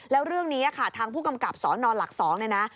แล้วเรื่องนี้ค่ะทางผู้กำกับสนหลัก๒เนี่ยนะ